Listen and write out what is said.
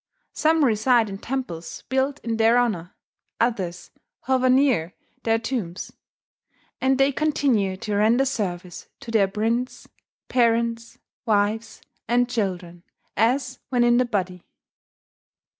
Some reside in temples built in their honour; others hover near their tombs; and they continue to render service to their prince, parents, wives, and children, as when in the body."